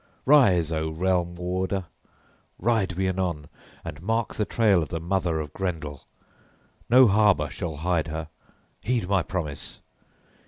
Rise, O realm warder! Ride we anon, and mark the trail of the mother of Grendel. No harbor shall hide her heed my promise!